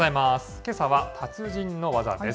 けさは達人の技です。